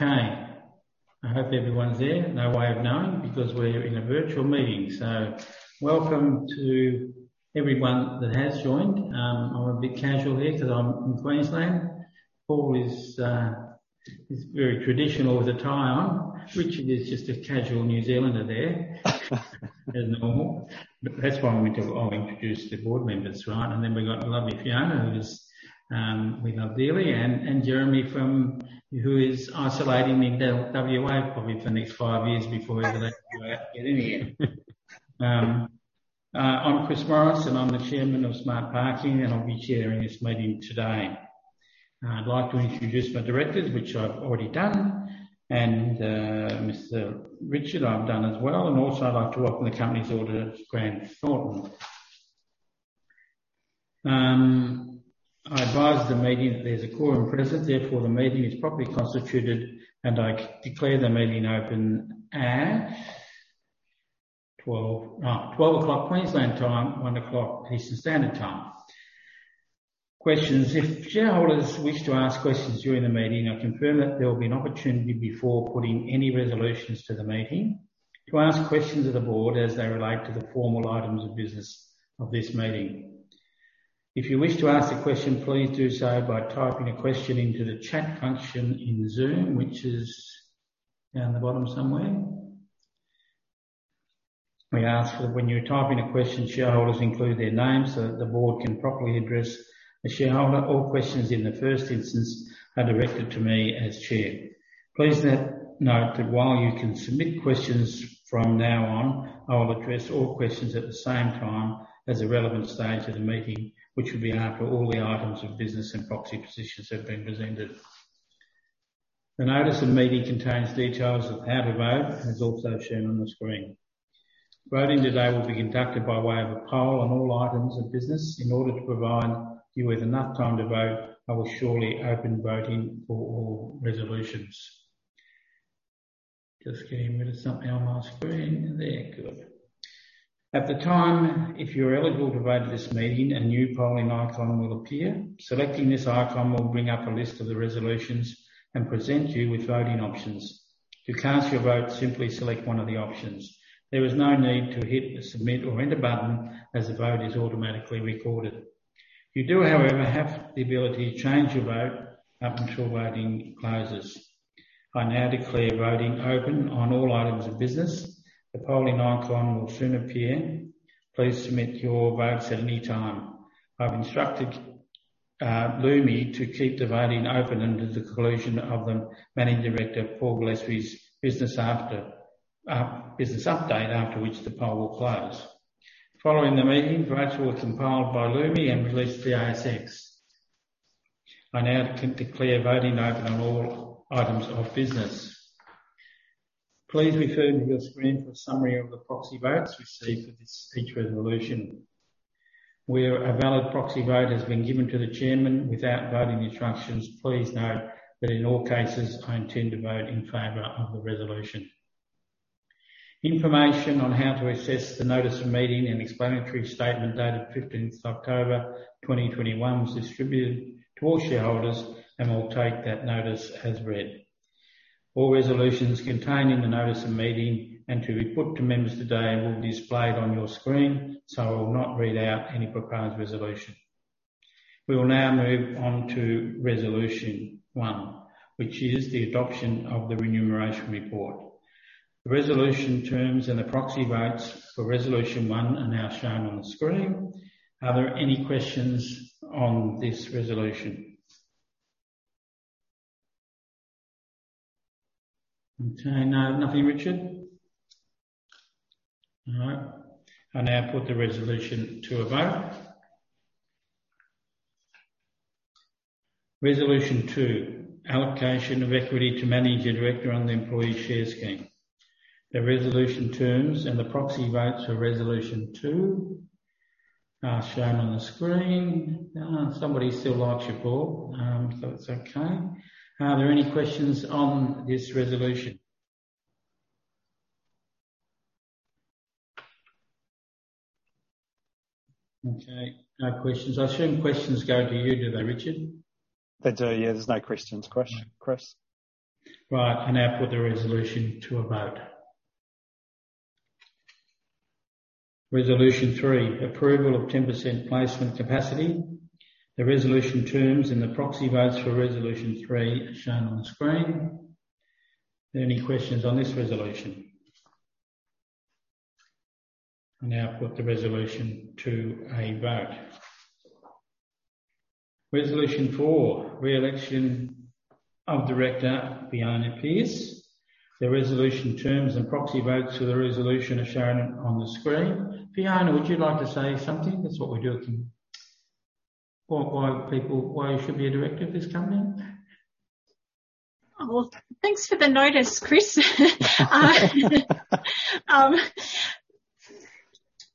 Okay. I hope everyone's there. No way of knowing because we're in a virtual meeting. Welcome to everyone that has joined. I'm a bit casual here 'cause I'm from Queensland. Paul is very traditional with a tie on. Richard is just a casual New Zealander there. As normal. That's why I'll introduce the board members, right? Then we've got the lovely Fiona, who is, we love dearly, and Jeremy who is isolating in WA probably for the next five years before he ever lets WA get in here. I'm Chris Morris, and I'm the Chairman of Smart Parking, and I'll be chairing this meeting today. I'd like to introduce my directors, which I've already done, and Mr. Richard, I've done as well. I'd like to welcome the company's auditor, Grant Thornton. I advise the meeting that there's a quorum present, therefore the meeting is properly constituted, and I declare the meeting open at 12:00 P.M. Queensland time, 1:00 P.M. Eastern Standard Time. Questions. If shareholders wish to ask questions during the meeting, I confirm that there will be an opportunity before putting any resolutions to the meeting to ask questions of the board as they relate to the formal items of business of this meeting. If you wish to ask a question, please do so by typing a question into the chat function in Zoom, which is down the bottom somewhere. We ask that when you're typing a question, shareholders include their names so that the board can properly address a shareholder. All questions in the first instance are directed to me as Chair. Please note that while you can submit questions from now on, I will address all questions at the same time as a relevant stage of the meeting, which will be after all the items of business and proxy positions have been presented. The notice of meeting contains details of how to vote, as also shown on the screen. Voting today will be conducted by way of a poll on all items of business. In order to provide you with enough time to vote, I will shortly open voting for all resolutions. Just getting rid of something on my screen. There. Good. At the time, if you're eligible to vote at this meeting, a new polling icon will appear. Selecting this icon will bring up a list of the resolutions and present you with voting options. To cast your vote, simply select one of the options. There is no need to hit the Submit or Enter button as the vote is automatically recorded. You do, however, have the ability to change your vote up until voting closes. I now declare voting open on all items of business. The polling icon will soon appear. Please submit your votes at any time. I've instructed Lumi to keep the voting open under the conclusion of the managing director, Paul Gillespie's business update, after which the poll will close. Following the meeting, votes will be compiled by Lumi and released to the ASX. I now declare voting open on all items of business. Please refer to your screen for a summary of the proxy votes received for each resolution. Where a valid proxy vote has been given to the chairman without voting instructions, please note that in all cases, I intend to vote in favor of the resolution. Information on how to access the notice of meeting and explanatory statement dated 15th October 2021 was distributed to all shareholders, and we'll take that notice as read. All resolutions contained in the notice of meeting and to be put to members today will be displayed on your screen, so I will not read out any proposed resolution. We will now move on to resolution 1, which is the adoption of the remuneration report. The resolution terms and the proxy votes for resolution 1 are now shown on the screen. Are there any questions on this resolution? Okay. No, nothing, Richard? All right. I now put the resolution to a vote. Resolution 2, allocation of equity to managing director on the employee share scheme. The resolution terms and the proxy votes for Resolution 2 are shown on the screen. Somebody's still lights are poor, but it's okay. Are there any questions on this resolution? Okay. No questions. I assume questions go to you, do they, Richard? They do, yeah. There's no questions, Chris. Right. I now put the resolution to a vote. Resolution three, approval of 10% placement capacity. The resolution terms and the proxy votes for resolution three are shown on the screen. Are there any questions on this resolution? I now put the resolution to a vote. Resolution four, re-election of Director Fiona Pearse. The resolution terms and proxy votes for the resolution are shown on the screen. Fiona, would you like to say something? That's what we do at the. Well, why people, why you should be a director of this company. Well, thanks for the notice, Chris.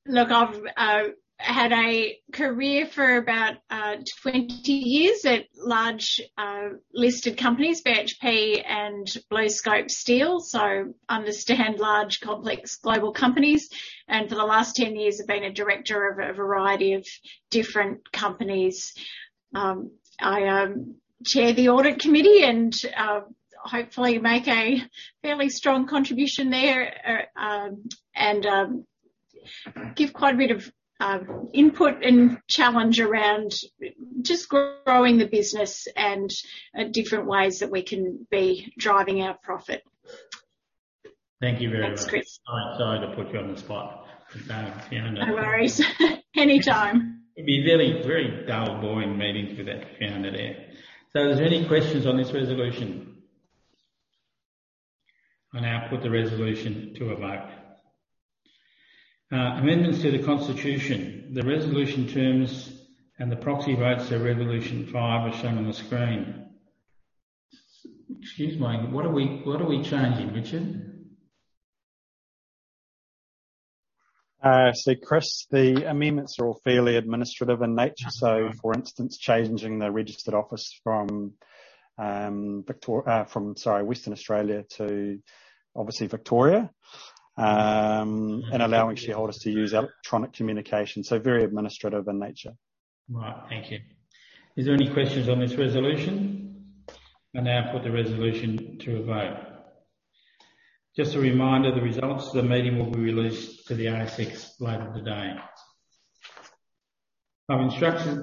Look, I've had a career for about 20 years at large listed companies, BHP and BlueScope Steel, so I understand large, complex global companies. For the last 10 years, I've been a director of a variety of different companies. I chair the audit committee and hopefully make a fairly strong contribution there and give quite a bit of input and challenge around just growing the business and different ways that we can be driving our profit. Thank you very much. Thanks, Chris. I'm sorry to put you on the spot, but, Fiona No worries. Anytime. It'd be really very dull, boring meeting without Fiona there. Is there any questions on this resolution? I now put the resolution to a vote. Amendments to the constitution. The resolution terms and the proxy votes to resolution 5 are shown on the screen. Excuse me. What are we changing, Richard? Chris, the amendments are all fairly administrative in nature. For instance, changing the registered office from Western Australia to obviously Victoria, and allowing shareholders to use electronic communication, so very administrative in nature. Right. Thank you. Is there any questions on this resolution? I now put the resolution to a vote. Just a reminder, the results of the meeting will be released to the ASX later today. I've instructed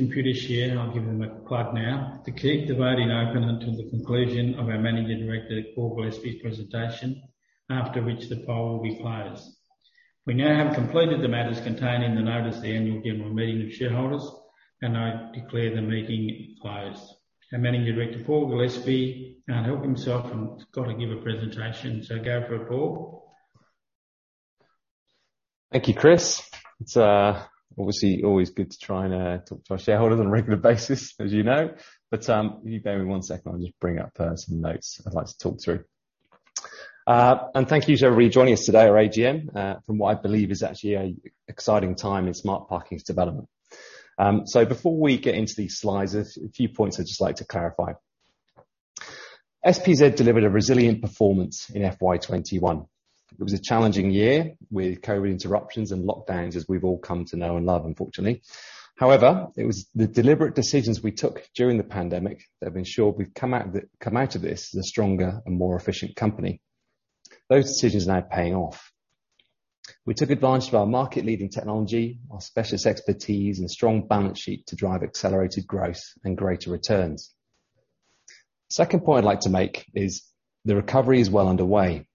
Computershare, and I'll give them a plug now to keep the voting open until the conclusion of our Managing Director, Paul Gillespie's presentation, after which the poll will be closed. We now have completed the matters contained in the notice of the Annual General Meeting of shareholders, and I declare the meeting closed. Our Managing Director, Paul Gillespie, can't help himself and got to give a presentation. Go for it, Paul. Thank you, Chris. It's obviously always good to try and talk to our shareholders on a regular basis as you know, but if you bear with me one second, I'll just bring up some notes I'd like to talk through. Thank you to everybody joining us today, our AGM, from what I believe is actually an exciting time in Smart Parking's development. Before we get into these slides, a few points I'd just like to clarify. SPZ delivered a resilient performance in FY 2021. It was a challenging year with COVID interruptions and lockdowns, as we've all come to know and love, unfortunately. However, it was the deliberate decisions we took during the pandemic that have ensured we've come out of it, come out of this as a stronger and more efficient company. Those decisions are now paying off. We took advantage of our market leading technology, our specialist expertise, and strong balance sheet to drive accelerated growth and greater returns. Second point I'd like to make is the recovery is well underway.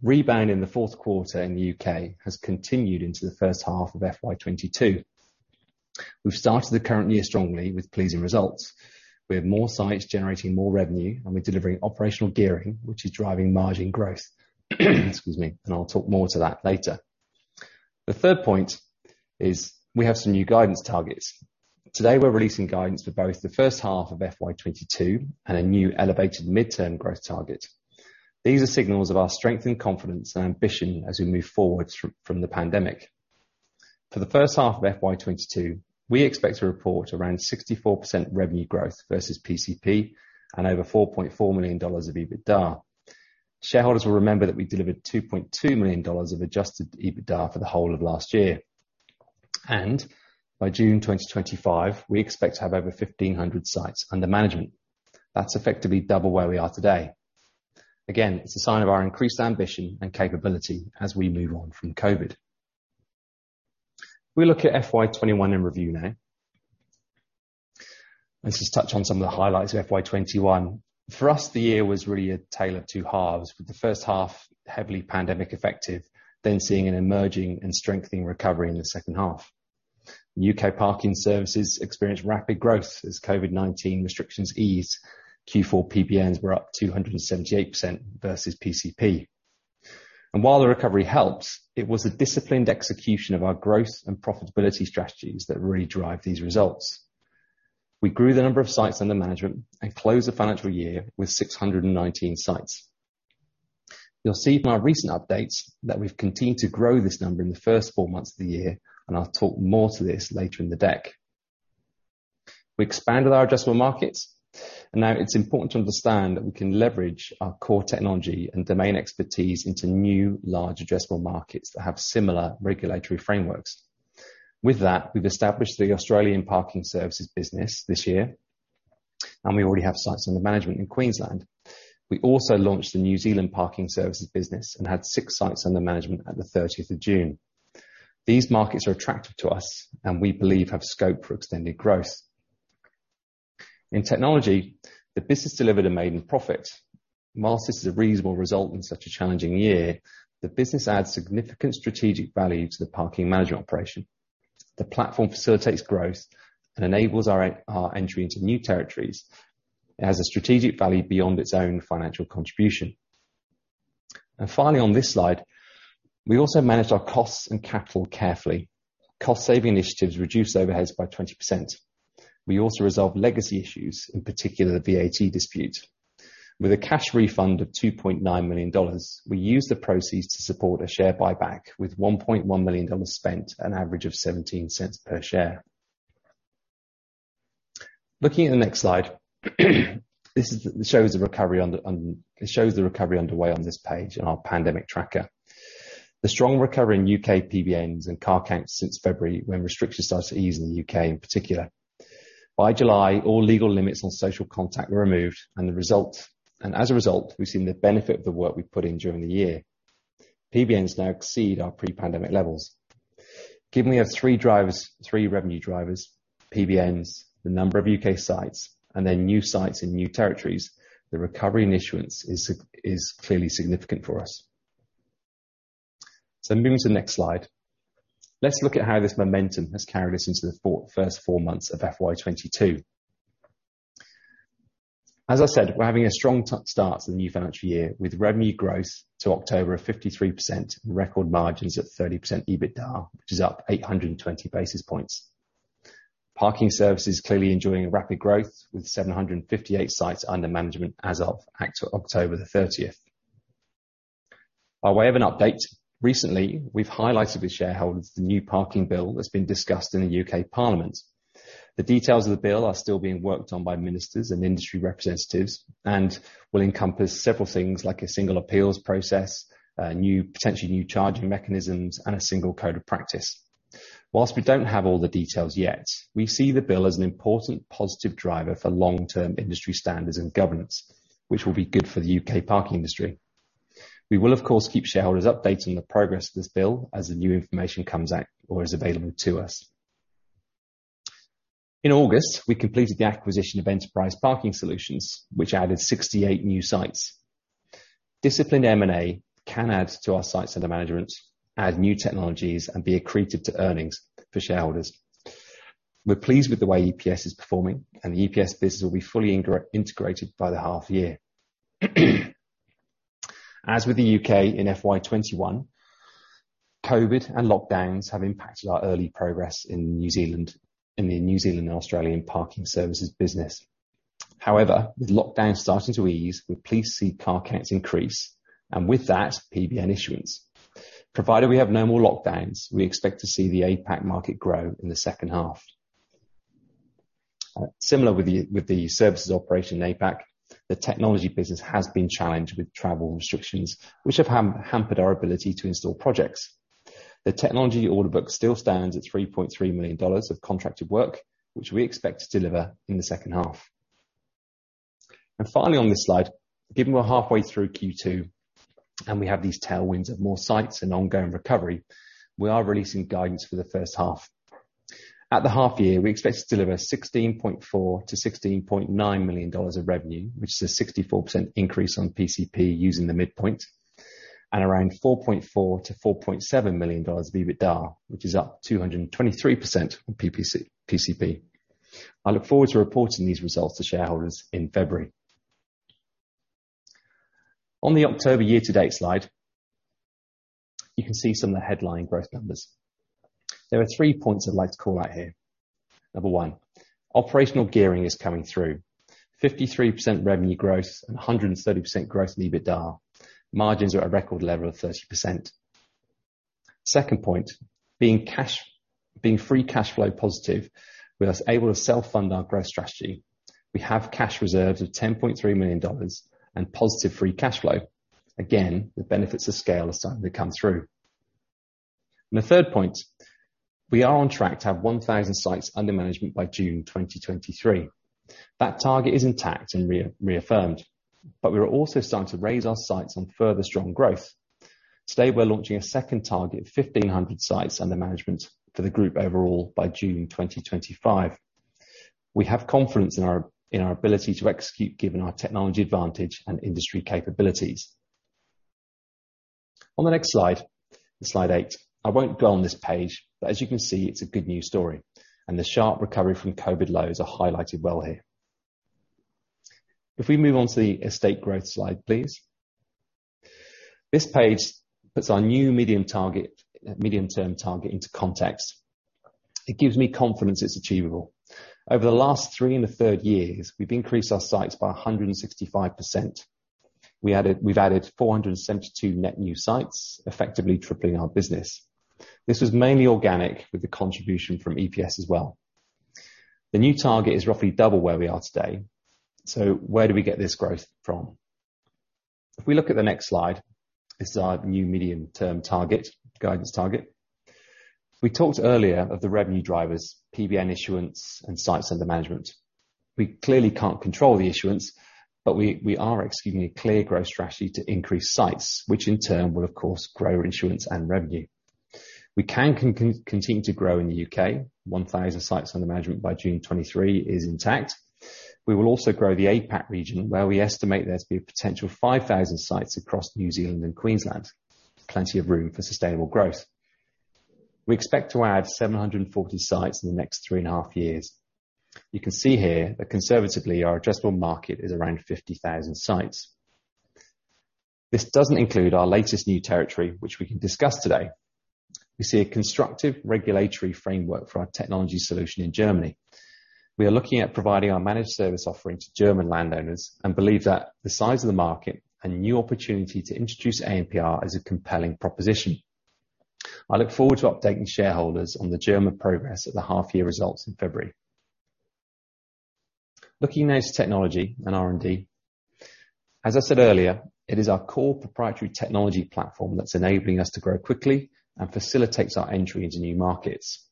Rebound in the fourth quarter in the U.K. has continued into the first half of FY 2022. We've started the current year strongly with pleasing results. We have more sites generating more revenue, and we're delivering operational gearing, which is driving margin growth. Excuse me, and I'll talk more to that later. The third point is we have some new guidance targets. Today, we're releasing guidance for both the first half of FY 2022 and a new elevated midterm growth target. These are signals of our strength, and confidence and ambition as we move forward from the pandemic. For the first half of FY 2022, we expect to report around 64% revenue growth versus PCP and over 4.4 million dollars of EBITDA. Shareholders will remember that we delivered 2.2 million dollars of adjusted EBITDA for the whole of last year. By June 2025, we expect to have over 1,500 sites under management. That's effectively double where we are today. Again, it's a sign of our increased ambition and capability as we move on from COVID. If we look at FY 2021 in review now. Let's just touch on some of the highlights of FY 2021. For us, the year was really a tale of two halves with the first half heavily pandemic affected, then seeing an emerging and strengthening recovery in the second half. U.K. parking services experienced rapid growth as COVID-19 restrictions eased. Q4 PBNs were up 278% versus PCP. While the recovery helped, it was a disciplined execution of our growth and profitability strategies that really drive these results. We grew the number of sites under management and closed the financial year with 619 sites. You'll see from our recent updates that we've continued to grow this number in the first four months of the year, and I'll talk more to this later in the deck. We expanded our addressable markets, and now it's important to understand that we can leverage our core technology and domain expertise into new, large addressable markets that have similar regulatory frameworks. With that, we've established the Australian Parking Services business this year, and we already have sites under management in Queensland. We also launched the New Zealand Parking Services business and had 6 sites under management at the 30th of June. These markets are attractive to us and we believe have scope for extended growth. In technology, the business delivered a maiden profit. While this is a reasonable result in such a challenging year, the business adds significant strategic value to the parking management operation. The platform facilitates growth and enables our entry into new territories. It has a strategic value beyond its own financial contribution. Finally, on this slide, we also managed our costs and capital carefully. Cost saving initiatives reduced overheads by 20%. We also resolved legacy issues, in particular the VAT dispute. With a cash refund of 2.9 million dollars, we used the proceeds to support a share buyback with 1.1 million dollars spent, an average of 0.17 per share. Looking at the next slide, this shows the recovery underway on this page in our pandemic tracker. The strong recovery in U.K. PBNs and car counts since February when restrictions started to ease in the U.K. in particular. By July, all legal limits on social contact were removed and as a result, we've seen the benefit of the work we've put in during the year. PBNs now exceed our pre-pandemic levels. Given we have three revenue drivers, PBNs, the number of U.K. sites, and then new sites and new territories, the recovery in issuance is clearly significant for us. Moving to the next slide. Let's look at how this momentum has carried us into the first four months of FY 2022. As I said, we're having a strong start to the new financial year, with revenue growth to October of 53%, and record margins at 30% EBITDA, which is up 820 basis points. Parking services clearly enjoying rapid growth, with 758 sites under management as of October 30. By way of an update, recently, we've highlighted with shareholders the new parking bill that's been discussed in the U.K. Parliament. The details of the bill are still being worked on by ministers and industry representatives and will encompass several things like a single appeals process, potentially new charging mechanisms, and a single code of practice. Whilst we don't have all the details yet, we see the bill as an important positive driver for long-term industry standards and governance, which will be good for the U.K. parking industry. We will, of course, keep shareholders updated on the progress of this bill as the new information comes out or is available to us. In August, we completed the acquisition of Enterprise Parking Solutions, which added 68 new sites. Disciplined M&A can add to our sites under management, add new technologies, and be accretive to earnings for shareholders. We're pleased with the way EPS is performing, and the EPS business will be fully integrated by the half year. As with the U.K. in FY 2021, COVID and lockdowns have impacted our early progress in New Zealand and Australian parking services business. However, with lockdowns starting to ease, we're pleased to see car counts increase, and with that, PBN issuance. Provided we have no more lockdowns, we expect to see the APAC market grow in the second half. Similar with the services operation in APAC, the technology business has been challenged with travel restrictions, which have hampered our ability to install projects. The technology order book still stands at 3.3 million dollars of contracted work, which we expect to deliver in the second half. Finally, on this slide, given we're halfway through Q2, and we have these tailwinds of more sites and ongoing recovery, we are releasing guidance for the first half. At the half year, we expect to deliver 16.4 million-16.9 million dollars of revenue, which is a 64% increase on PCP using the midpoint, and around 4.4 million-4.7 million dollars EBITDA, which is up 223% on PCP. I look forward to reporting these results to shareholders in February. On the October year-to-date slide, you can see some of the headline growth numbers. There are three points I'd like to call out here. Number one, operational gearing is coming through. 53% revenue growth and 130% growth in EBITDA. Margins are at a record level of 30%. Second point, free cash flow positive, with us able to self-fund our growth strategy. We have cash reserves of 10.3 million dollars and positive free cash flow. Again, the benefits of scale are starting to come through. The third point, we are on track to have 1,000 sites under management by June 2023. That target is intact and reaffirmed, but we are also starting to raise our sights on further strong growth. Today, we're launching a second target of 1,500 sites under management for the group overall by June 2025. We have confidence in our ability to execute given our technology advantage and industry capabilities. On the next slide eight, I won't go on this page, but as you can see, it's a good news story. The sharp recovery from COVID lows are highlighted well here. If we move on to the estate growth slide, please. This page puts our new medium-term target into context. It gives me confidence it's achievable. Over the last three and a third years, we've increased our sites by 165%. We've added 472 net new sites, effectively tripling our business. This was mainly organic with the contribution from EPS as well. The new target is roughly double where we are today. Where do we get this growth from? If we look at the next slide, this is our new medium-term target, guidance target. We talked earlier of the revenue drivers, PBN issuance, and sites under management. We clearly can't control the issuance, but we are executing a clear growth strategy to increase sites, which in turn will of course grow issuance and revenue. We can continue to grow in the U.K. 1,000 sites under management by June 2023 is intact. We will also grow the APAC region, where we estimate there to be a potential 5,000 sites across New Zealand and Queensland. Plenty of room for sustainable growth. We expect to add 740 sites in the next three and a half years. You can see here that conservatively, our addressable market is around 50,000 sites. This doesn't include our latest new territory, which we can discuss today. We see a constructive regulatory framework for our technology solution in Germany. We are looking at providing our managed service offering to German landowners and believe that the size of the market and new opportunity to introduce ANPR is a compelling proposition. I look forward to updating shareholders on the German progress at the half year results in February. Looking now to technology and R&D. As I said earlier, it is our core proprietary technology platform that's enabling us to grow quickly and facilitates our entry into new markets.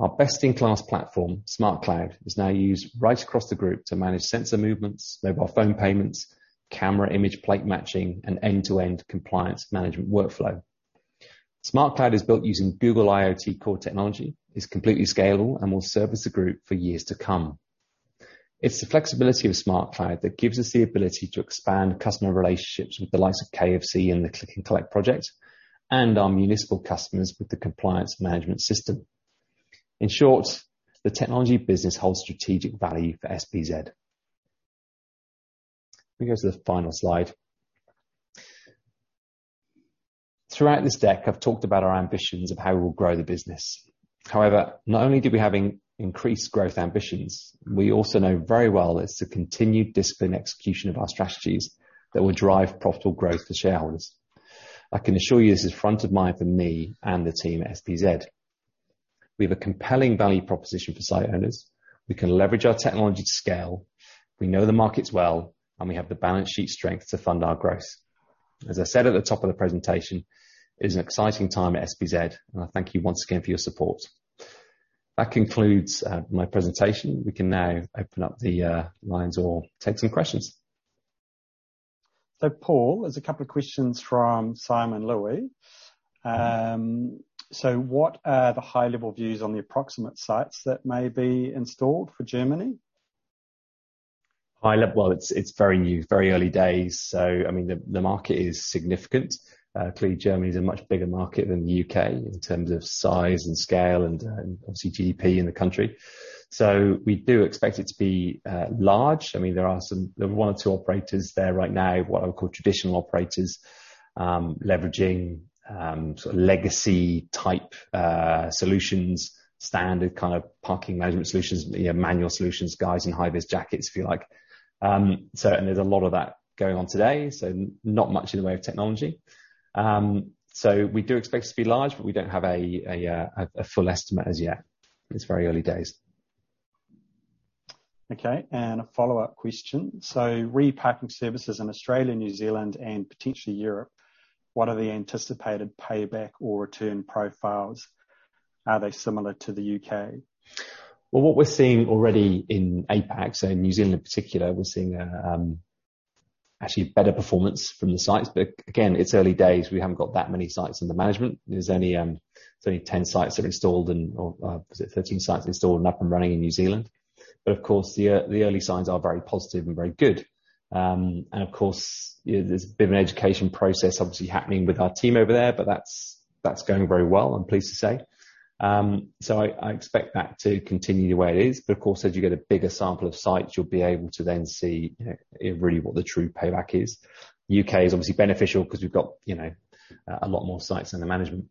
Our best-in-class platform, SmartCloud, is now used right across the group to manage sensor movements, mobile phone payments, camera image plate matching, and end-to-end compliance management workflow. SmartCloud is built using Google IoT core technology, is completely scalable, and will service the group for years to come. It's the flexibility of SmartCloud that gives us the ability to expand customer relationships with the likes of KFC in the Click and Collect project, and our municipal customers with the compliance management system. In short, the technology business holds strategic value for SPZ. Let me go to the final slide. Throughout this deck, I've talked about our ambitions of how we'll grow the business. However, not only do we have increased growth ambitions, we also know very well it's the continued disciplined execution of our strategies that will drive profitable growth for shareholders. I can assure you this is front of mind for me and the team at SPZ. We have a compelling value proposition for site owners. We can leverage our technology to scale. We know the markets well, and we have the balance sheet strength to fund our growth. As I said at the top of the presentation, it's an exciting time at SPZ, and I thank you once again for your support. That concludes my presentation. We can now open up the lines or take some questions. Paul, there's a couple of questions from Simon Louie. What are the high-level views on the approximate sites that may be installed for Germany? High level, it's very new, very early days, so I mean the market is significant. Clearly Germany is a much bigger market than the U.K. in terms of size and scale and obviously GDP in the country. We do expect it to be large. I mean, there are one or two operators there right now, what I would call traditional operators, leveraging sort of legacy type solutions, standard kind of parking management solutions, you know, manual solutions, guys in high vis jackets feel like. There's a lot of that going on today, so not much in the way of technology. We do expect it to be large, but we don't have a full estimate as yet. It's very early days. Okay, a follow-up question. Re parking services in Australia, New Zealand and potentially Europe, what are the anticipated payback or return profiles? Are they similar to the U.K.? Well, what we're seeing already in APAC, so New Zealand in particular, we're seeing actually better performance from the sites. Again, it's early days. We haven't got that many sites under management. There's only 10 sites that installed or was it 13 sites installed and up and running in New Zealand. Of course, the early signs are very positive and very good. Of course, you know, there's a bit of an education process obviously happening with our team over there, but that's going very well, I'm pleased to say. I expect that to continue the way it is. Of course, as you get a bigger sample of sites, you'll be able to then see really what the true payback is. U.K. is obviously beneficial 'cause we've got, you know, a lot more sites under management.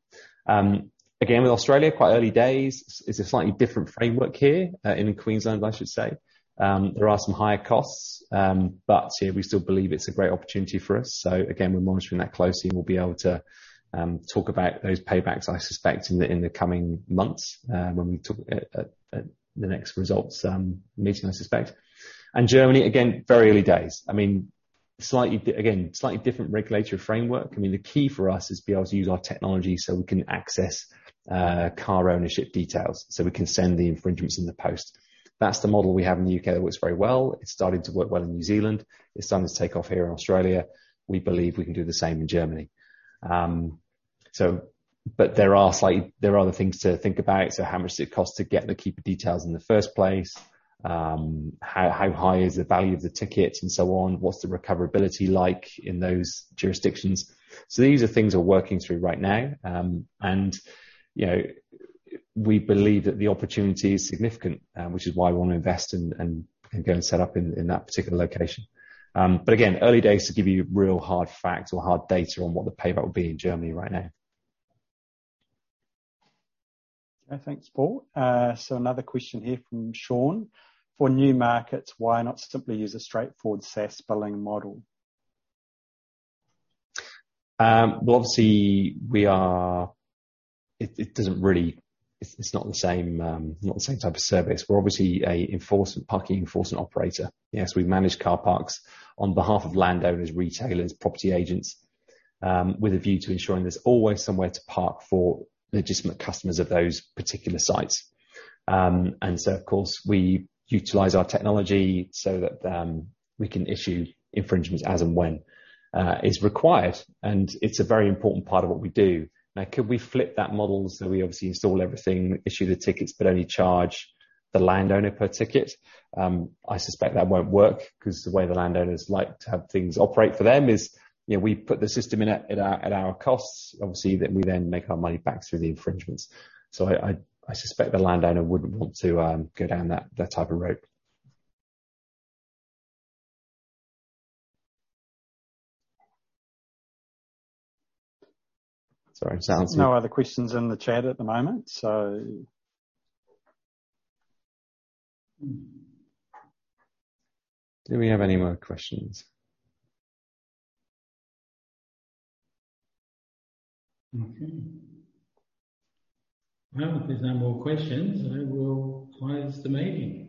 Again, with Australia, quite early days. It's a slightly different framework here in Queensland, I should say. There are some higher costs, but yeah, we still believe it's a great opportunity for us. Again, we're monitoring that closely and we'll be able to talk about those paybacks, I suspect, in the coming months, when we talk at the next results meeting, I suspect. Germany, again, very early days. I mean, slightly different regulatory framework. I mean, the key for us is to be able to use our technology so we can access car ownership details, so we can send the infringements in the post. That's the model we have in the U.K. that works very well. It's starting to work well in New Zealand. It's starting to take off here in Australia. We believe we can do the same in Germany. There are other things to think about. How much does it cost to get the keeper details in the first place? How high is the value of the ticket and so on? What's the recoverability like in those jurisdictions? These are things we're working through right now. You know, we believe that the opportunity is significant, which is why we wanna invest and go and set up in that particular location. Again, early days to give you real hard facts or hard data on what the payback will be in Germany right now. Okay. Thanks, Paul. Another question here from Sean. For new markets, why not simply use a straightforward SaaS billing model? Well, obviously, it's not the same type of service. We're obviously a parking enforcement operator. Yes, we manage car parks on behalf of landowners, retailers, property agents, with a view to ensuring there's always somewhere to park for legitimate customers of those particular sites. Of course, we utilize our technology so that we can issue infringements as and when is required, and it's a very important part of what we do. Now, could we flip that model so we obviously install everything, issue the tickets, but only charge the landowner per ticket? I suspect that won't work 'cause the way the landowners like to have things operate for them is, you know, we put the system in at our costs. Obviously, we make our money back through the infringements. I suspect the landowner wouldn't want to go down that type of route. Sorry. There's no other questions in the chat at the moment, so. Do we have any more questions? Okay. Well, if there's no more questions, I will close the meeting.